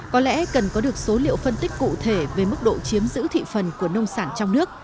có lẽ cần có được số liệu phân tích cụ thể về mức độ chiếm giữ thị phần của nông sản trong nước